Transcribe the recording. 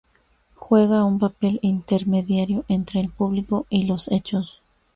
Juega un papel intermediario entre el público y los hechos.